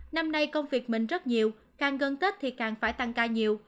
năm nay công việc mình rất nhiều càng gần tết thì càng phải tăng ca nhiều